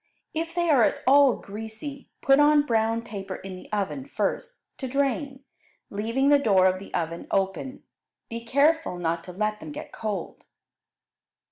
If they are at all greasy, put on brown paper in the oven first, to drain, leaving the door of the oven open. Be careful not to let them get cold.